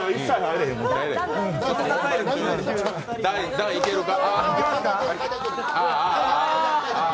段、いけるか？